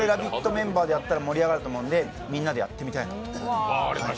メンバーでやったら盛り上がるかなと思って、みんなでやってみたいなと。